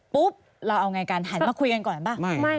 ปุ๊บเราเอาไงกันหันมาคุยกันก่อนหรือเปล่า